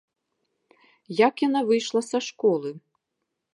Як яна выйшла са школы?